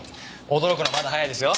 驚くのはまだ早いですよ。